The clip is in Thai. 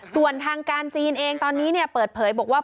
ส่วนทางการจีนเองตอนนี้เปิดเผยบอกว่า